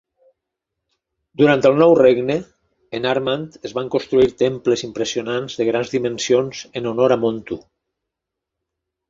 Durant el Nou Regne, en Armant es van construir temples impressionants de grans dimensions en honor a Montu.